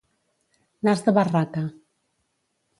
Nas de barraca.